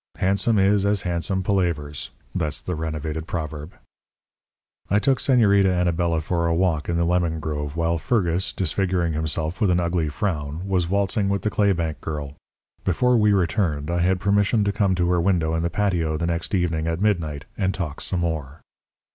Handsome is as handsome palavers. That's the renovated proverb. "I took Señorita Anabela for a walk in the lemon grove while Fergus, disfiguring himself with an ugly frown, was waltzing with the claybank girl. Before we returned I had permission to come to her window in the patio the next evening at midnight and talk some more.